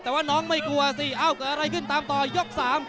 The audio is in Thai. แต่ว่าน้องไม่กลัวสิเอ้าเกิดอะไรขึ้นตามต่อยกสาม